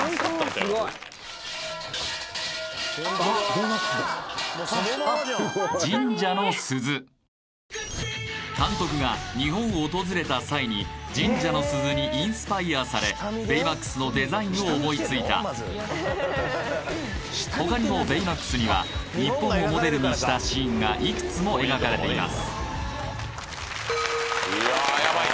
すごい監督が日本を訪れた際に神社の鈴にインスパイアされベイマックスのデザインを思いついたほかにも「ベイマックス」には日本をモデルにしたシーンがいくつも描かれています